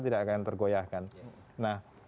tidak akan tergoyahkan nah